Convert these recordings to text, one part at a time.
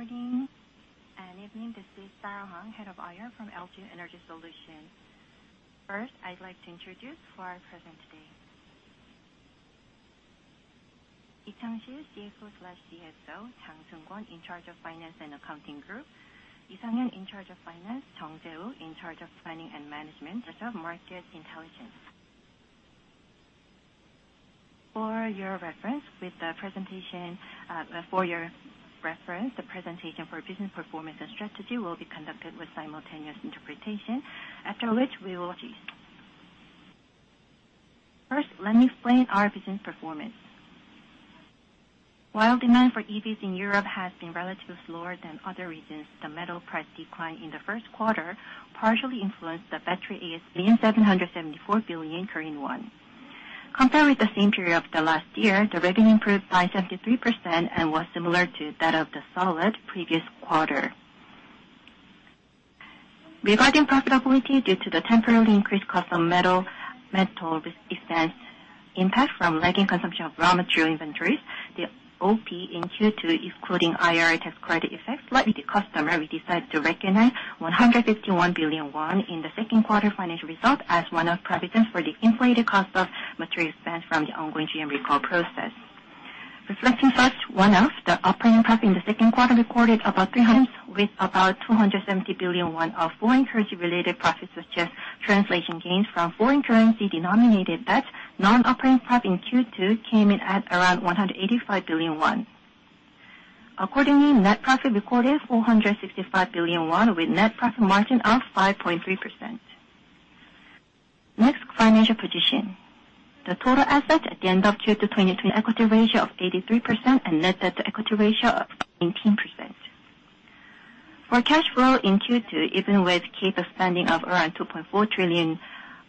Good morning and evening, this is Sarah Hong, Head of IR from LG Energy Solution. First, I'd like to introduce who are present today. Lee Chang-Sil, CFO/CSO, Jang Seung-Kwon, in charge of finance and accounting group, Lee Sang-Hyun, in charge of finance, Jung Jae-Woo, in charge of planning and management, of market intelligence. For your reference, with the presentation, for your reference, the presentation for business performance and strategy will be conducted with simultaneous interpretation, after which we will proceed. First, let me explain our business performance. While demand for EVs in Europe has been relatively slower than other regions, the metal price decline in the first quarter partially influenced the battery ASP and 774 billion Korean won. Compared with the same period of the last year, the revenue improved by 73% and was similar to that of the solid previous quarter. Regarding profitability, due to the temporarily increased cost of metal expense impact from lagging consumption of raw material inventories, the OP in Q2, including IRA tax credit effects, like with the customer, we decided to recognize 151 billion won in the second quarter financial results as one of precedents for the inflated cost of material expense from the ongoing GM recall process. Reflecting such, one of the operating profit in the second quarter recorded about 300, with about 270 billion won of foreign currency-related profits, such as translation gains from foreign currency-denominated debts. Non-operating profit in Q2 came in at around 185 billion won. Net profit recorded 465 billion won with net profit margin of 5.3%. Financial position. The total assets at the end of Q2 2020, equity ratio of 83% and net debt equity ratio of 18%. For cash flow in Q2, even with CapEx spending of around 2.4 trillion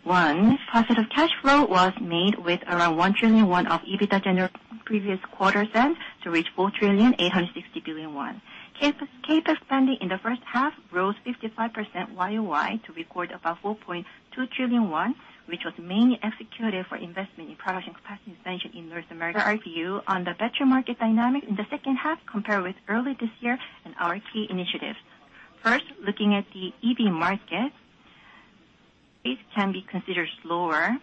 won, positive cash flow was made with around 1 trillion won of EBITDA general previous quarter sales to reach 4,860 billion won. CapEx spending in the first half rose 55% YOY to record about 4.2 trillion won, which was mainly executed for investment in production capacity expansion in North America. Our view on the battery market dynamic in the second half compared with early this year and our key initiatives. First, looking at the EV market, it can be considered slower.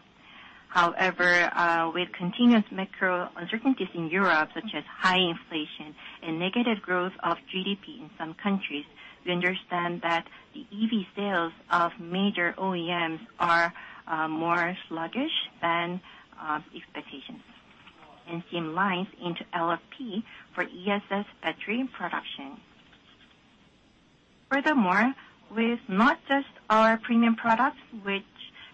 However, with continuous macro uncertainties in Europe, such as high inflation and negative growth of GDP in some countries, we understand that the EV sales of major OEMs are more sluggish than expectations. NCM lines into LFP for ESS battery production. Furthermore, with not just our premium products, which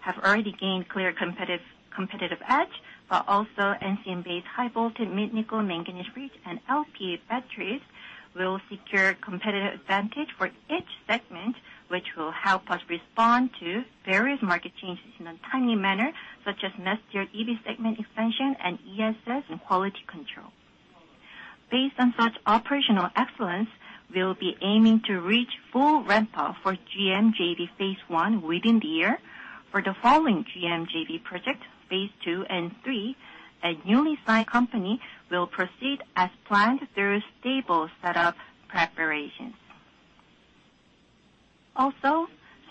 have already gained clear competitive edge, but also NCM-based high-voltage nickel manganese rich and LPA batteries, will secure competitive advantage for each segment, which will help us respond to various market changes in a timely manner, such as mass-tier EV segment expansion and ESS and quality control. Based on such operational excellence, we'll be aiming to reach full ramp up for GM JV phase I within the year. For the following GM JV project, phase II and III, a newly signed company will proceed as planned through stable setup preparations.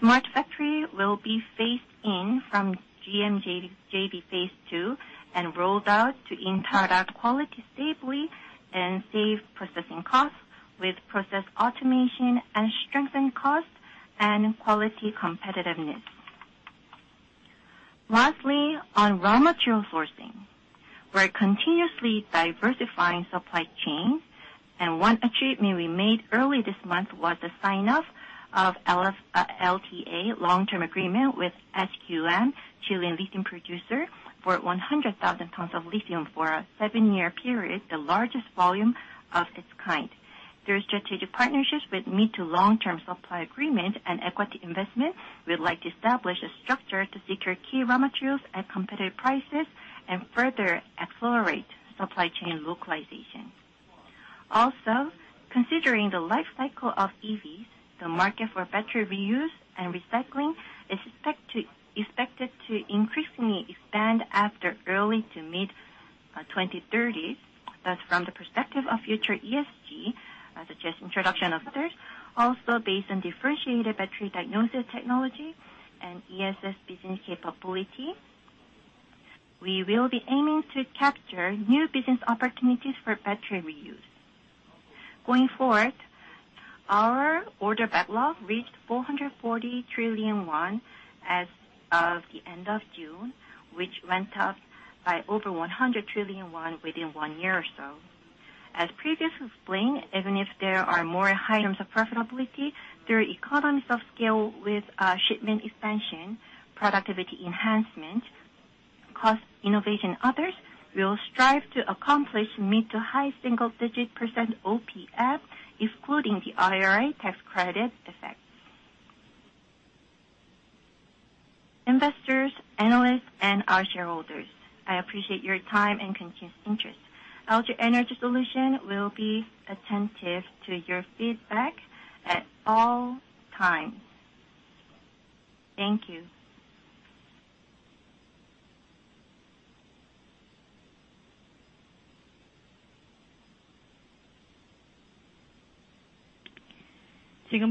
Smart factory will be phased in from GM JV phase II and rolled out to ensure product quality stably and save processing costs with process automation and strengthen cost and quality competitiveness. Lastly, on raw material sourcing, we're continuously diversifying supply chain, and one achievement we made early this month was the sign off of LTA, long-term agreement with SQM, Chilean lithium producer, for 100,000 tons of lithium for a seven-year period, the largest volume of its kind. Through strategic partnerships with mid to long-term supply agreement and equity investment, we'd like to establish a structure to secure key raw materials at competitive prices and further accelerate supply chain localization. Considering the life cycle of EVs, the market for battery reuse and recycling is expected to increasingly expand after early to mid 2030s. From the perspective of future ESG, such as introduction of others, also based on differentiated battery diagnosis technology and ESS business capability, we will be aiming to capture new business opportunities for battery reuse. Going forward, our order backlog reached 440 trillion won as of the end of June, which went up by over 100 trillion won within one year or so. As previously explained, even if there are more items of profitability through economies of scale with shipment expansion, productivity enhancement, cost innovation, others, we will strive to accomplish mid-to-high single-digit percent OPM, excluding the IRA tax credit effects. Investors, analysts, and our shareholders, I appreciate your time and continued interest. LG Energy Solution will be attentive to your feedback at all times. Thank you. Q&A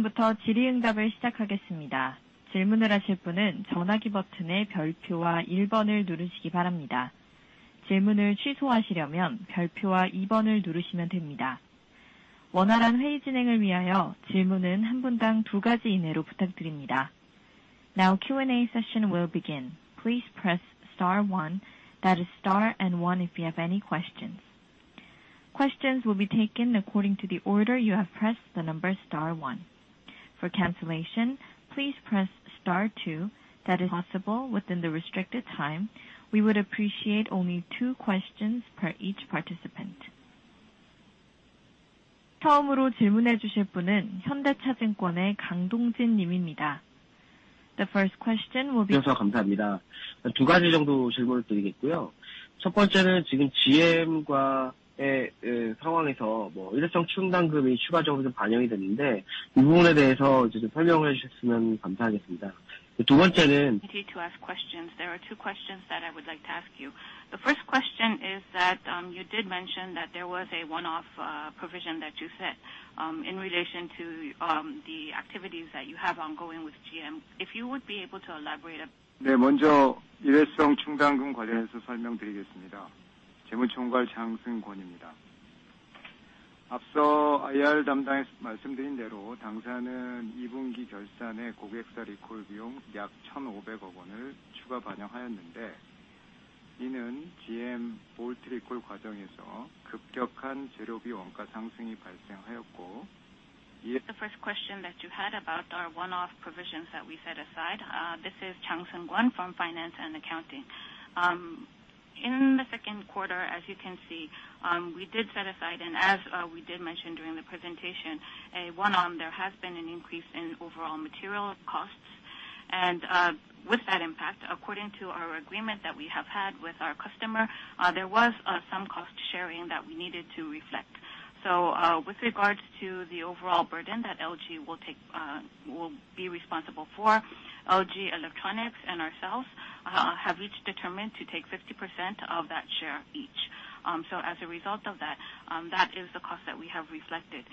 session will begin. Please press star one. That is star and one if you have any questions. Questions will be taken according to the order you have pressed the number star one. For cancellation, please press star two. That is possible within the restricted time. We would appreciate only two questions per each participant. The first question will be- To ask questions. There are two questions that I would like to ask you. The first question is that, you did mention that there was a one-off provision that you set in relation to the activities that you have ongoing with GM. If you would be able to elaborate. The first question that you had about our one-off provisions that we set aside. This is Jang Seung-Kwon from Finance and Accounting. In the second quarter, as you can see, we did set aside and as we did mention during the presentation, a one-off, there has been an increase in overall material costs. With that impact, according to our agreement that we have had with our customer, there was some cost sharing that we needed to reflect. With regards to the overall burden that LG will take, will be responsible for, LG Electronics and ourselves, have each determined to take 50% of that share each. As a result of that is the cost that we have reflected.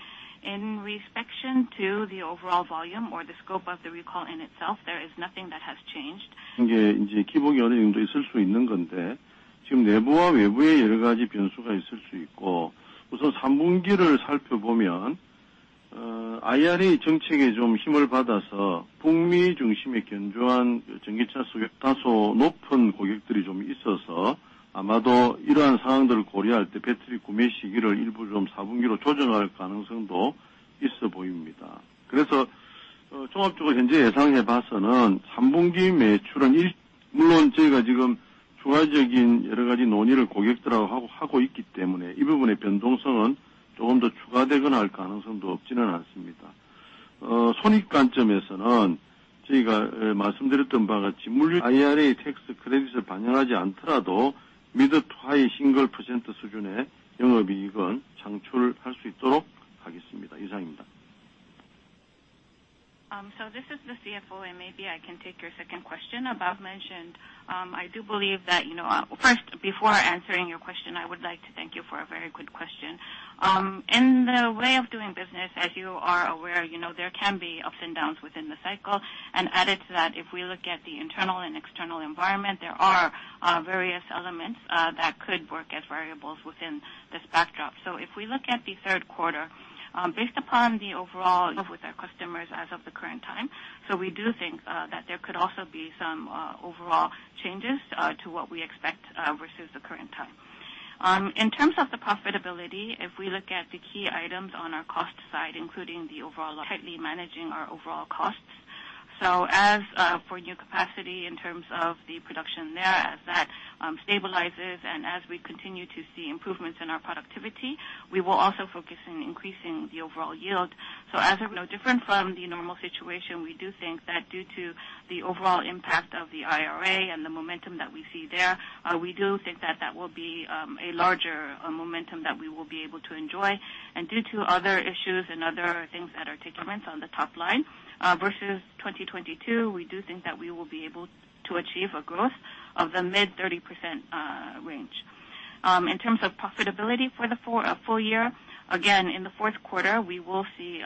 In respect to the overall volume or the scope of the recall in itself, there is nothing that has changed. There will be some, but there are various variables inside and outside. First, if we look at the third quarter, because of the IRA policy, there are some customers in the U.S. who are slightly higher because of the solid electric vehicle prices. I think there is a possibility that the battery purchase time will be adjusted to the fourth quarter. In general, if we look at the third quarter, of course, we are discussing various issues with the customers, so there is a possibility that this part will be added or changed. From the perspective of profit, as I said, even if we do not reflect the IRA tax credit, we will be able to generate mid-to-high single percent of business profits. This is the CFO, and maybe I can take your second question. About mentioned, I do believe that, you know, first, before answering your question, I would like to thank you for a very good question. In the way of doing business, as you are aware, you know, there can be ups and downs within the cycle. Added to that, if we look at the internal and external environment, there are various elements that could work as variables within this backdrop. If we look at the third quarter, based upon the overall with our customers as of the current time, we do think that there could also be some overall changes to what we expect versus the current time. In terms of the profitability, if we look at the key items on our cost side, including the overall, tightly managing our overall costs. For new capacity in terms of the production there, as that stabilizes and as we continue to see improvements in our productivity, we will also focus on increasing the overall yield. As of no different from the normal situation, we do think that due to the overall impact of the IRA and the momentum that we see there, we do think that that will be a larger momentum that we will be able to enjoy. Due to other issues and other things that are taking rent on the top line, versus 2022, we do think that we will be able to achieve a growth of the mid-30% range. In terms of profitability for the full year, again, in the fourth quarter, we will see,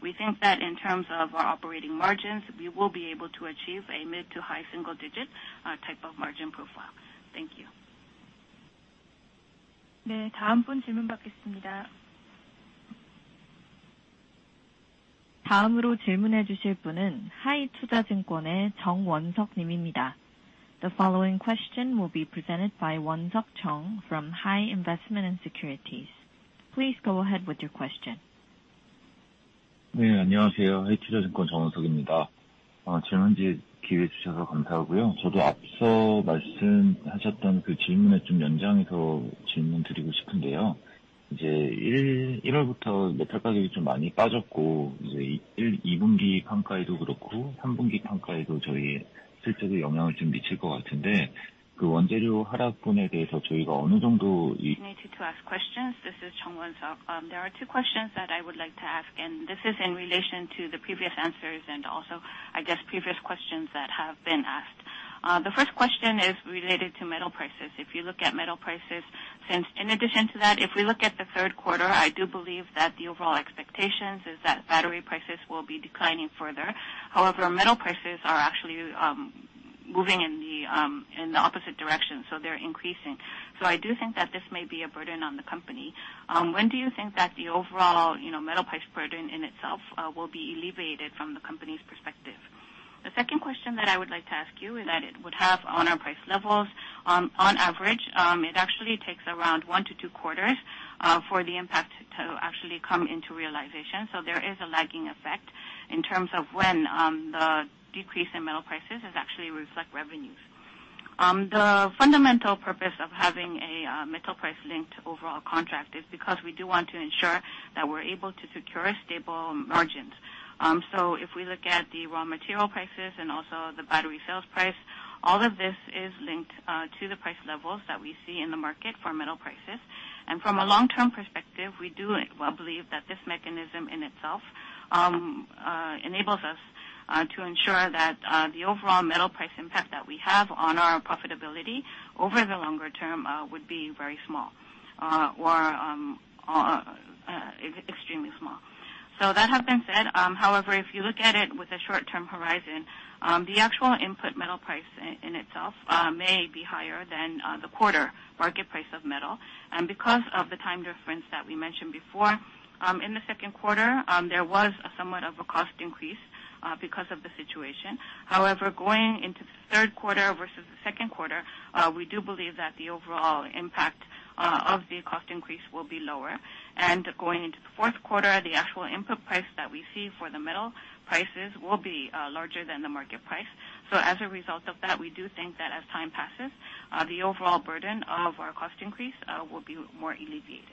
we think that in terms of our operating margins, we will be able to achieve a mid-to-high single digit type of margin profile. Thank you. The following question will be presented by Won-Suk Chung from HI Investment & Securities. Please go ahead with your question. Yeah. 안녕하세요, HI Investment & Securities Wonseok Chung입니다. 질문질 기회 주셔서 감사하고요. 저도 앞서 말씀하셨던 그 질문에 좀 연장해서 질문드리고 싶은데요. 이제 1월부터 메탈 가격이 좀 많이 빠졌고, 이제 1, 2분기 판가에도 그렇고, 3분기 판가에도.... 실제로 영향을 좀 미칠 것 같은데, 그 원재료 하락분에 대해서 저희가 어느 정도 To ask questions. This is Won-Suk Chung. There are two questions that I would like to ask. This is in relation to the previous answers and also I guess, previous questions that have been asked. The first question is related to metal prices. If you look at metal prices, since in addition to that, if we look at the third quarter, I do believe that the overall expectations is that battery prices will be declining further. However, metal prices are actually moving in the opposite direction, they're increasing. I do think that this may be a burden on the company. When do you think that the overall, you know, metal price burden in itself will be alleviated from the company's perspective? The second question that I would like to ask you is that it would have on our price levels. On average, it actually takes around one to two quarters for the impact to actually come into realization. There is a lagging effect in terms of when the decrease in metal prices is actually reflect revenues. The fundamental purpose of having a metal price linked overall contract is because we do want to ensure that we're able to secure stable margins. If we look at the raw material prices and also the battery sales price, all of this is linked to the price levels that we see in the market for metal prices. From a long-term perspective, we do well believe that this mechanism in itself enables us to ensure that the overall metal price impact that we have on our profitability over the longer term would be very small or extremely small. That has been said, however, if you look at it with a short-term horizon, the actual input metal price in itself may be higher than the quarter market price of metal. Because of the time difference that we mentioned before, in the second quarter, there was a somewhat of a cost increase because of the situation. However, going into the third quarter versus the second quarter, we do believe that the overall impact of the cost increase will be lower. Going into the fourth quarter, the actual input price that we see for the metal prices will be larger than the market price. As a result of that, we do think that as time passes, the overall burden of our cost increase will be more alleviated.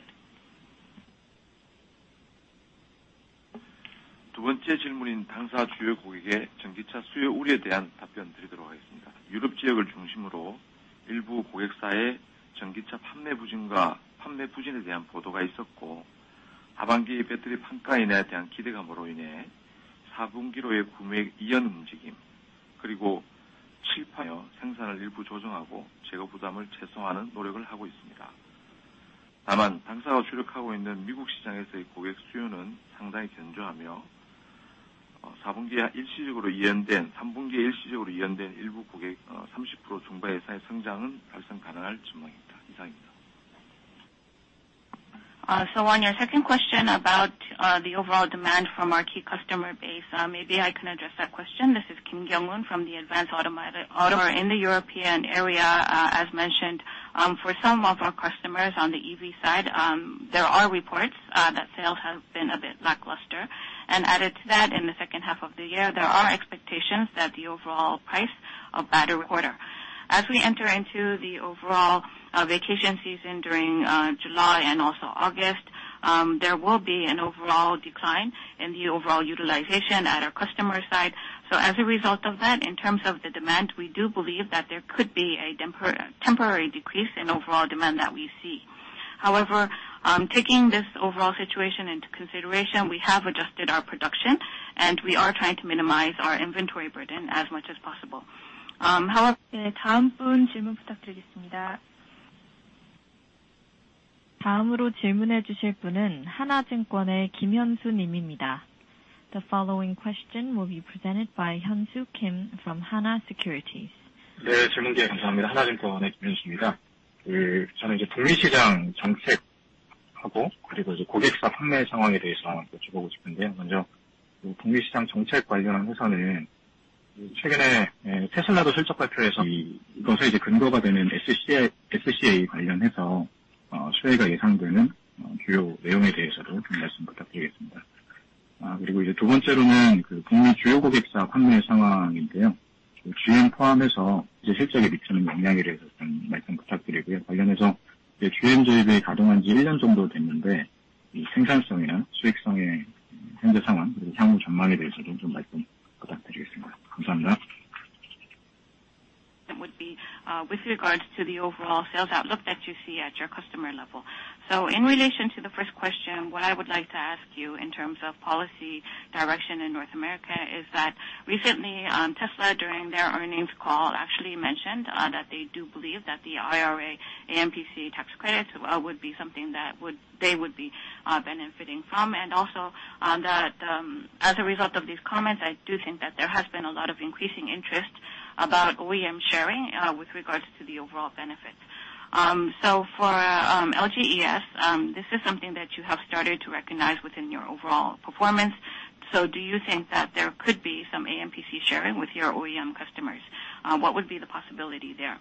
On your second question about the overall demand from our key customer base, maybe I can address that question. This is Kim Kyungwon from the Advanced Automotive. Auto in the European area, as mentioned, for some of our customers on the EV side, there are reports that sales have been a bit lackluster. Added to that, in the second half of the year, there are expectations that the overall price of battery quarter. We enter into the overall vacation season during July and also August, there will be an overall decline in the overall utilization at our customer side. As a result of that, in terms of the demand, we do believe that there could be a temporary decrease in overall demand that we see. However, taking this overall situation into consideration, we have adjusted our production, and we are trying to minimize our inventory burden as much as possible. The following question will be presented by Hyun-Soo Kim from Hana Securities. With regards to the overall sales outlook that you see at your customer level. In relation to the first question, what I would like to ask you in terms of policy direction in North America, is that recently, Tesla, during their earnings call, actually mentioned that they do believe that the IRA, AMPC tax credits, would be something that they would be benefiting from. Also, that, as a result of these comments, I do think that there has been a lot of increasing interest about OEM sharing, with regards to the overall benefit. For LGES, this is something that you have started to recognize within your overall performance. Do you think that there could be some AMPC sharing with your OEM customers? What would be the possibility there?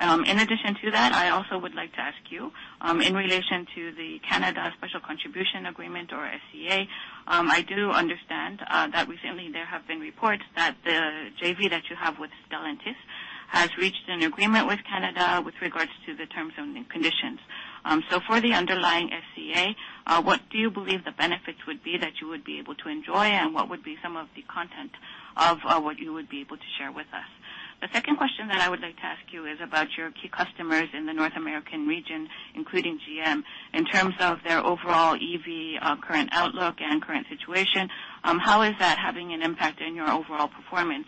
In addition to that, I also would like to ask you, in relation to the Canada Special Contribution Agreement or SCA, I do understand that recently there have been reports that the JV that you have with Stellantis has reached an agreement with Canada with regards to the terms and conditions. For the underlying SCA, what do you believe the benefits would be that you would be able to enjoy, and what would be some of the content of what you would be able to share with us? The second question that I would like to ask you is about your key customers in the North American region, including GM. In terms of their overall EV, current outlook and current situation, how is that having an impact on your overall performance?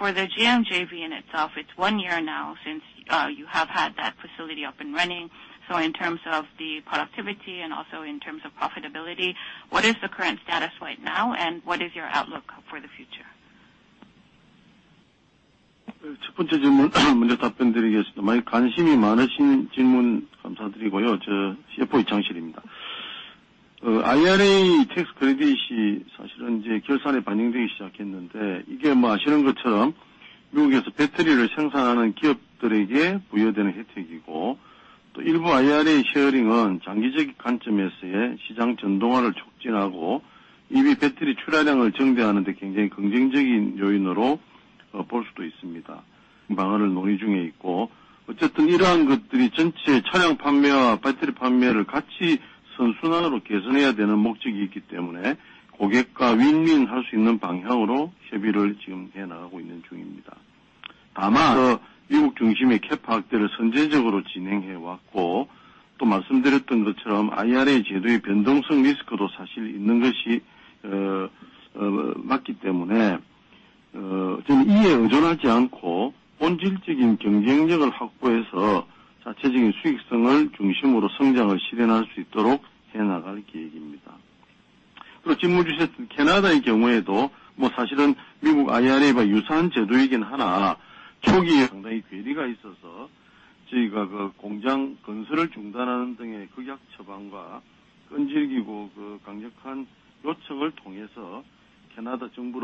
For the GM JV in itself, it's one year now since you have had that facility up and running. In terms of the productivity and also in terms of profitability, what is the current status right now, and what is your outlook for the future? Thank you for asking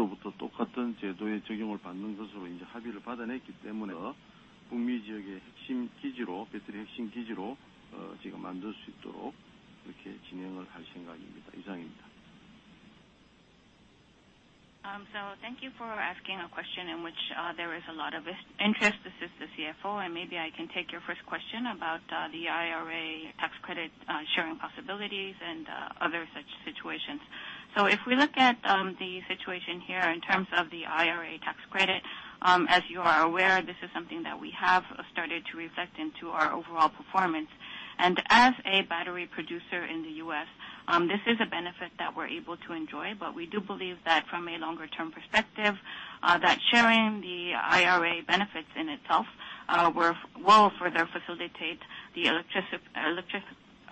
a question in which there is a lot of this interest. This is the CFO, and maybe I can take your first question about the IRA tax credit sharing possibilities and other such situations. If we look at the situation here in terms of the IRA tax credit, as you are aware, this is something that we have started to reflect into our overall performance. As a battery producer in the U.S., this is a benefit that we're able to enjoy. We do believe that from a longer term perspective, that sharing the IRA benefits in itself, will further facilitate.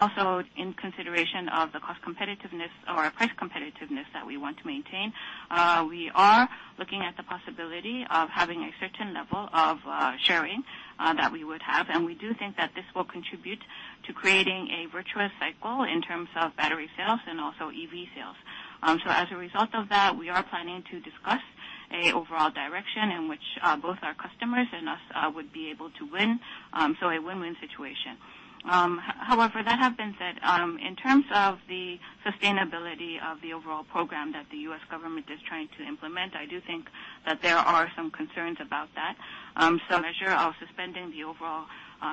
Also, in consideration of the cost competitiveness or price competitiveness that we want to maintain, we are looking at the possibility of having a certain level of, sharing, that we would have. We do think that this will contribute to creating a virtuous cycle in terms of battery sales and also EV sales. As a result of that, we are planning to discuss a overall direction in which, both our customers and us, would be able to win. A win-win situation. However, that have been said, in terms of the sustainability of the overall program that the U.S. government is trying to implement, I do think that there are some concerns about that. Measure of suspending the overall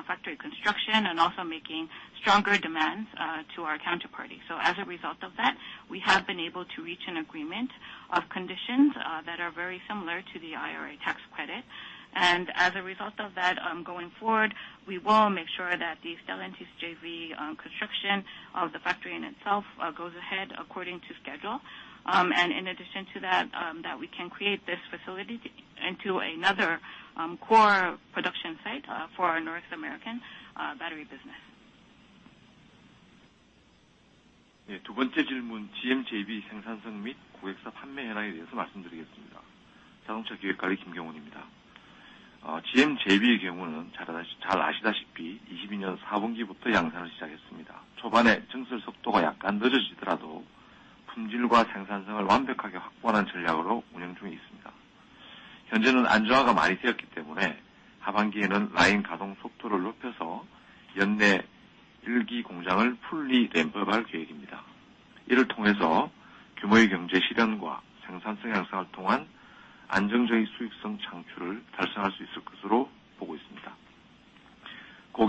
factory construction and also making stronger demands to our counterparty. As a result of that, we have been able to reach an agreement of conditions that are very similar to the IRA tax credit. As a result of that, going forward, we will make sure that the Stellantis JV construction of the factory in itself goes ahead according to schedule. In addition to that we can create this facility into another core production site for our North American battery business.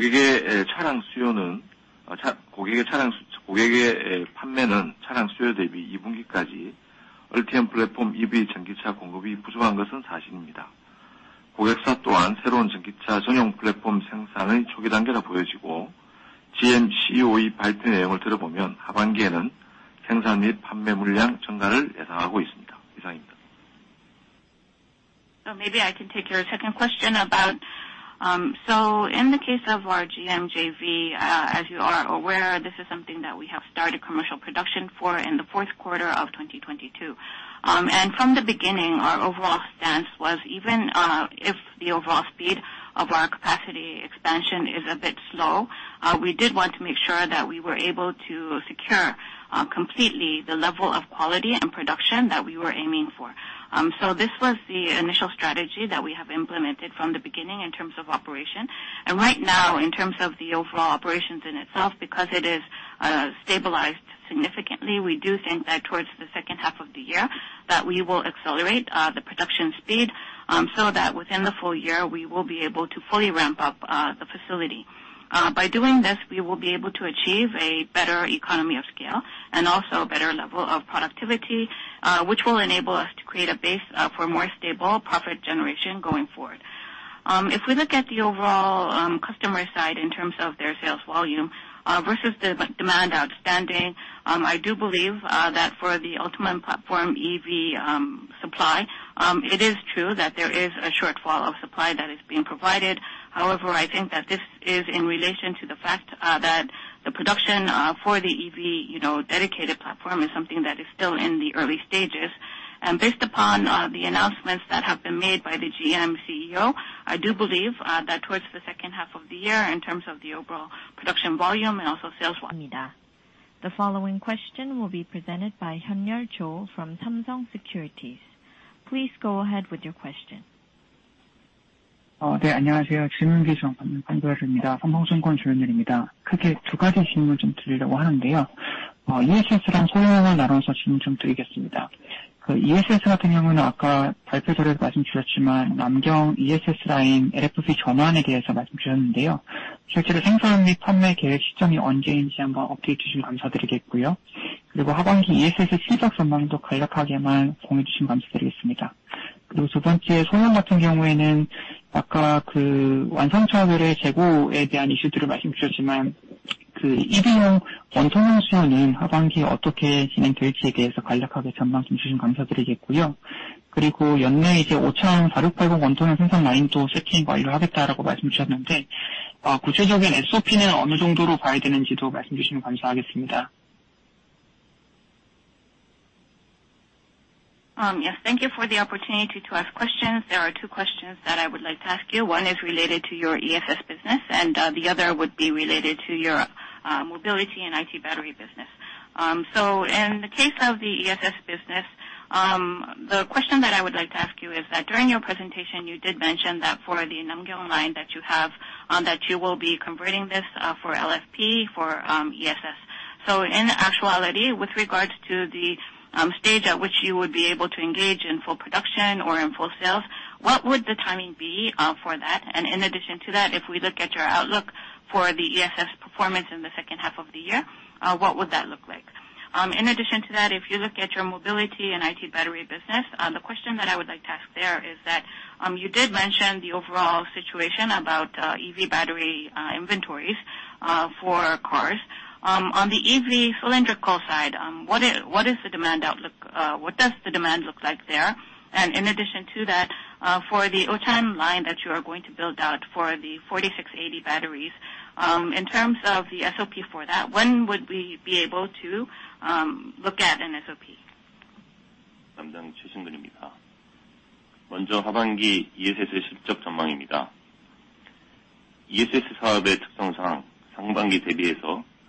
Maybe I can take your second question about... In the case of our GM JV, as you are aware, this is something that we have started commercial production for in the fourth quarter of 2022. From the beginning, our overall stance was, even, if the overall speed of our capacity expansion is a bit slow, we did want to make sure that we were able to secure, completely the level of quality and production that we were aiming for. This was the initial strategy that we have implemented from the beginning in terms of operation. Right now, in terms of the overall operations in itself, because it is stabilized significantly, we do think that towards the second half of the year that we will accelerate the production speed, so that within the full year, we will be able to fully ramp up the facility. By doing this, we will be able to achieve a better economy of scale and also a better level of productivity, which will enable us to create a base for more stable profit generation going forward. If we look at the overall customer side in terms of their sales volume, versus the demand outstanding, I do believe that for the Ultium platform EV supply, it is true that there is a shortfall of supply that is being provided. However, I think that this is in relation to the fact that the production for the EV, you know, dedicated platform is something that is still in the early stages. Based upon the announcements that have been made by the GM CEO, I do believe that towards the second half of the year, in terms of the overall production volume and also sales volume. The following question will be presented by Cho Hyun-Ryul from Samsung Securities. Please go ahead with your question. Yes, thank you for the opportunity to ask questions. There are two questions that I would like to ask you. One is related to your ESS business, and the other would be related to your Mobility & IT Battery business. In the case of the ESS business, the question that I would like to ask you is that during your presentation, you did mention that for the Nanjing line that you have, that you will be converting this for LFP, for ESS. In actuality, with regards to the stage at which you would be able to engage in full production or in full sales, what would the timing be for that? In addition to that, if we look at your outlook for the ESS performance in the second half of the year, what would that look like? In addition to that, if you look at your Mobility & IT Battery business, the question that I would like to ask there is that, you did mention the overall situation about EV battery inventories for cars.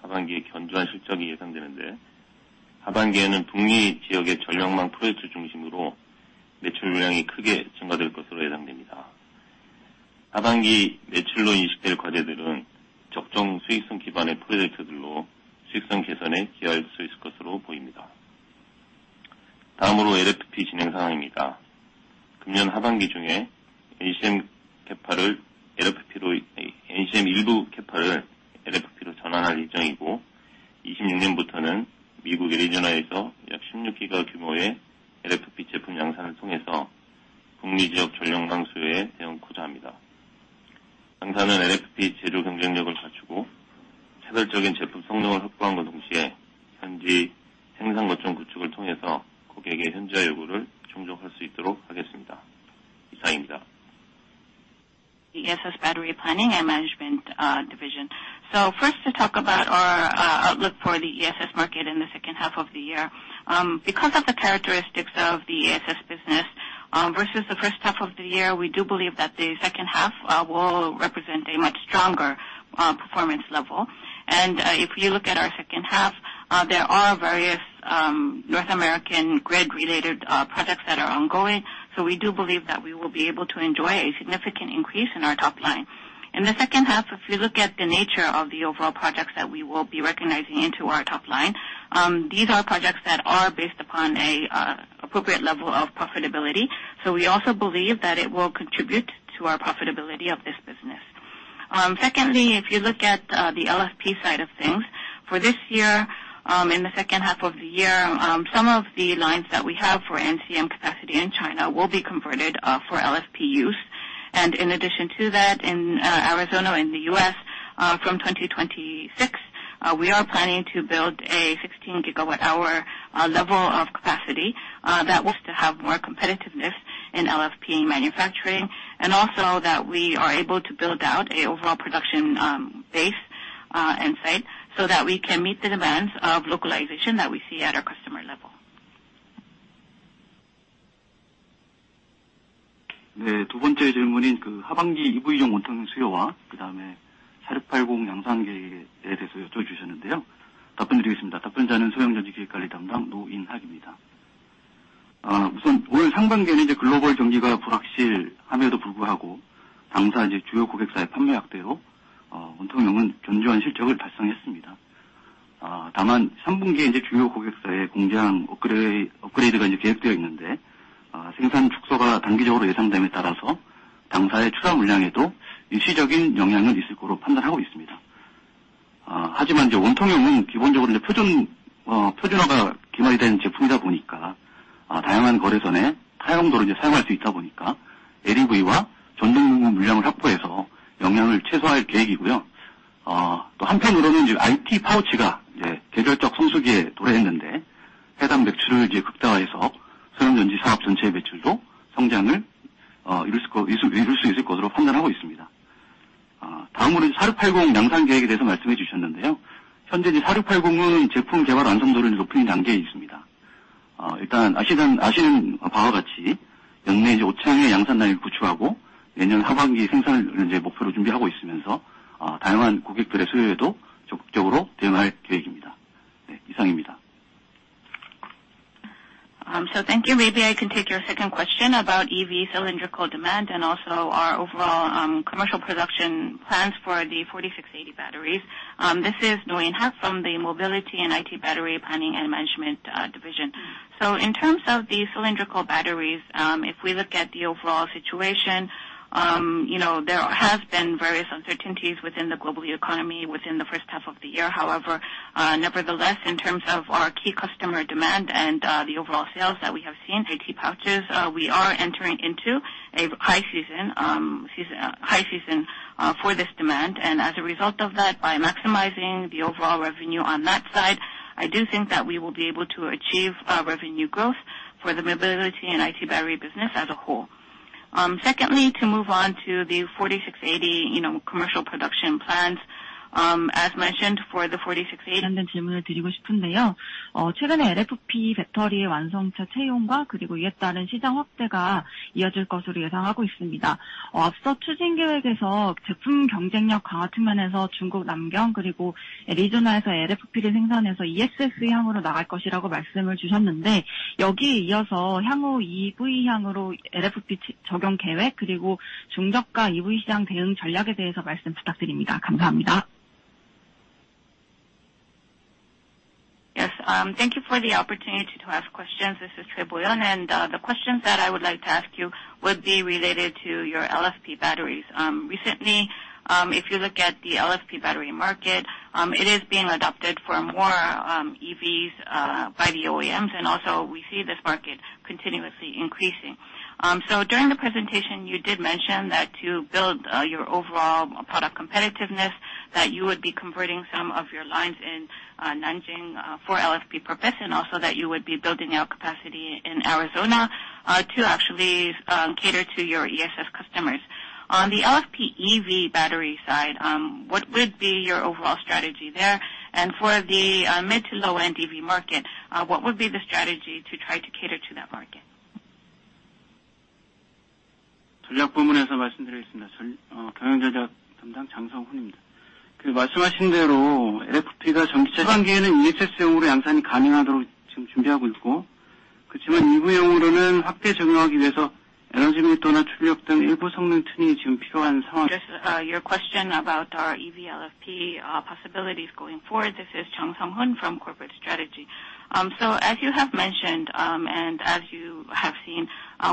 an SOP? The ESS Battery Planning and Management Division. First, to talk about our outlook for the ESS market in the second half of the year. Because of the characteristics of the ESS business, versus the first half of the year, we do believe that the second half will represent a much stronger performance level. If you look at our second half, there are various North American grid-related projects that are ongoing. We do believe that we will be able to enjoy a significant increase in our top line. In the second half, if you look at the nature of the overall projects that we will be recognizing into our top line, these are projects that are based upon an appropriate level of profitability, so we also believe that it will contribute to our profitability of this business. Secondly, if you look at the LFP side of things, for this year, in the second half of the year, some of the lines that we have for NCM capacity in China will be converted for LFP use. In addition to that, in Arizona, in the U.S., from 2026, we are planning to build a 16 GWh level of capacity that was to have more competitiveness in LFP manufacturing. That we are able to build out a overall production base inside, so that we can meet the demands of localization that we see at our customer level. Ne, Dubonje Germanin, Graba NGI Beyond 1,000 suya wa grama four six eight one yang sangi episode yesterday. Dr. Niddery, sometime down to in Hakima. 우선 올 상반기는 이제 글로벌 경기가 불확실함에도 불구하고 당사 이제 주요 고객사의 판매 확대호 원통형은 견조한 실적을 달성했습니다.... 다만 Q3에 이제 주요 고객사의 공장 업그레이드가 이제 계획되어 있는데, 생산 축소가 단기적으로 예상됨에 따라서 당사의 추가 물량에도 일시적인 영향은 있을 것으로 판단하고 있습니다. 하지만 이제 원통형은 기본적으로 이제 표준화가 개발이 된 제품이다 보니까, 다양한 거래선에 타용도로 이제 사용할 수 있다 보니까 LEV와 전동용 물량을 확보해서 영향을 최소화할 계획이고요. 또 한편으로는 이제 IT 파우치가 이제 계절적 성수기에 도래했는데, 해당 매출을 이제 극대화해서 수소연료전지 사업 전체의 매출도 성장을 이룰 수 있을 것으로 판단하고 있습니다. 다음으로 4680 양산 계획에 대해서 말씀해 주셨는데요. 현재 이제 4680은 제품 개발 완성도를 높이는 단계에 있습니다. 연내에 이제 5,000개의 양산 라인을 구축하고, 내년 하반기 생산을 이제 목표로 준비하고 있으면서, 다양한 고객들의 수요에도 적극적으로 대응할 계획입니다. 이상입니다. Thank you. Maybe I can take your second question about EV cylindrical demand and also our overall commercial production plans for the 4680 batteries. This is [Doin He] from the Mobility & IT Battery Planning and Management Division. In terms of the cylindrical batteries, if we look at the overall situation, you know, there have been various uncertainties within the global economy within the first half of the year. However, nevertheless, in terms of our key customer demand and the overall sales that we have seen, IT pouches, we are entering into a high season for this demand. As a result of that, by maximizing the overall revenue on that side, I do think that we will be able to achieve revenue growth for the Mobility & IT Battery business as a whole. Secondly, to move on to the 4680, you know, commercial production plans. As mentioned, for the 4680 related 질문을 드리고 싶은데요. 어, 최근에 LFP 배터리의 완성차 채용과 그리고 이에 따른 시장 확대가 이어질 것으로 예상하고 있습니다. 앞서 추진 계획에서 제품 경쟁력 강화 측면에서 중국 남경, 그리고 애리조나에서 LFP를 생산해서 ESS향으로 나갈 것이라고 말씀을 주셨는데, 여기에 이어서 향후 EV향으로 LFP 적용 계획, 그리고 중저가 EV 시장 대응 전략에 대해서 말씀 부탁드립니다. 감사합니다. Yes, thank you for the opportunity to ask questions. This is Choi Bo-Young, and the questions that I would like to ask you would be related to your LFP batteries. Recently, if you look at the LFP battery market, it is being adopted for more EVs by the OEMs, and also we see this market continuously increasing. During the presentation, you did mention that to build your overall product competitiveness, that you would be converting some of your lines in Nanjing for LFP purpose, and also that you would be building out capacity in Arizona to actually cater to your ESS customers. On the LFP EV battery side, what would be your overall strategy there? For the mid to low-end EV market, what would be the strategy to try to cater to that market? 전략 부문에서 말씀드리겠습니다. 경영전략 담당 Jang Seung-kwon입니다. 말씀하신 대로 LFP가 전기차 단기에는 ESS용으로 양산이 가능하도록 지금 준비하고 있고, 그렇지만 EV용으로는 확대 적용하기 위해서 에너지 밀도나 출력 등 일부 성능 튼이 지금 필요한 상황. Yes, your question about our EVLFP possibilities going forward. This is Jang Seung-Kwon from Corporate Strategy. As you have mentioned, and as you have seen,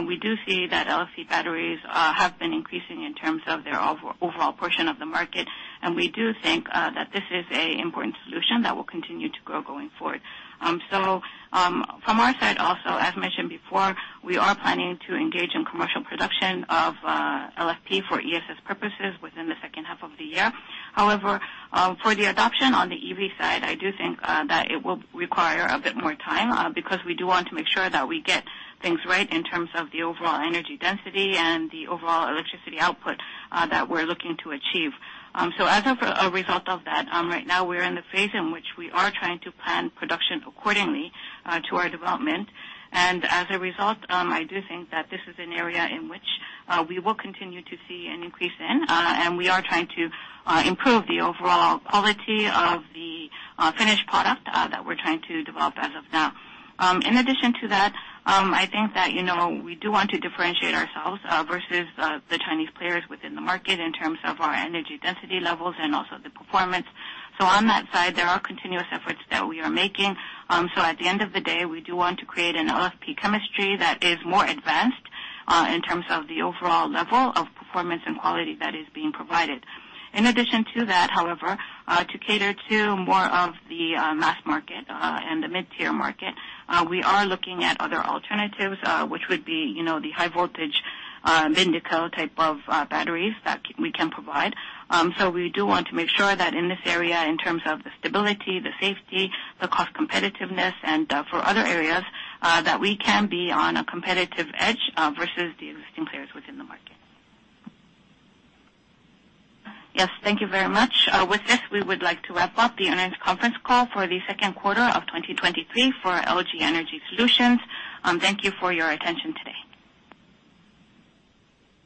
we do see that LFP batteries have been increasing in terms of their overall portion of the market, and we do think that this is an important solution that will continue to grow going forward. From our side also, as mentioned before, we are planning to engage in commercial production of LFP for ESS purposes within the second half of the year. However, for the adoption on the EV side, I do think that it will require a bit more time, because we do want to make sure that we get things right in terms of the overall energy density and the overall electricity output that we're looking to achieve. As a result of that, right now we're in the phase in which we are trying to plan production accordingly to our development. As a result, I do think that this is an area in which we will continue to see an increase in, and we are trying to improve the overall quality of the finished product that we're trying to develop as of now. In addition to that, I think that, you know, we do want to differentiate ourselves versus the Chinese players within the market in terms of our energy density levels and also the performance. On that side, there are continuous efforts that we are making. At the end of the day, we do want to create an LFP chemistry that is more advanced in terms of the overall level of performance and quality that is being provided. In addition to that, however, to cater to more of the mass market and the mid-tier market, we are looking at other alternatives, which would be, you know, the high voltage vindico type of batteries that we can provide. We do want to make sure that in this area, in terms of the stability, the safety, the cost competitiveness, and for other areas, that we can be on a competitive edge versus the existing players within the market. Yes, thank you very much. With this, we would like to wrap up the earnings conference call for the second quarter of 2023 for LG Energy Solution. Thank you for your attention today.